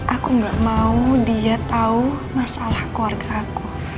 aku gak mau dia tahu masalah keluarga aku